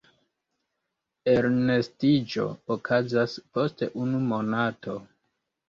Elnestiĝo okazas post unu monato.